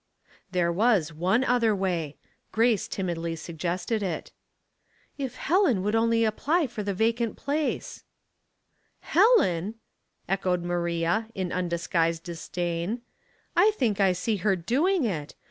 There was one other way. Grace timidly suggested it. " If Helen would only apply for the vacant place." 840 Household Puzzles, " Helen I " echoed Maria, in undisguised dis dain. " I think I see her doing it.